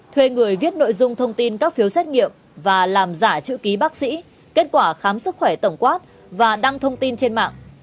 thuê người viết nội dung thông tin các phiếu xét nghiệm và làm giả chữ ký bác sĩ kết quả khám sức khỏe tổng quát và đăng thông tin trên mạng